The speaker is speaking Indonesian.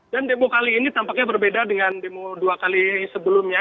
dan demo kali ini tampaknya berbeda dengan demo dua kali sebelumnya